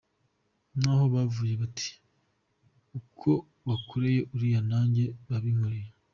Nabo bavuge bati ‘uko bakoreye uriya nanjye babinkorere.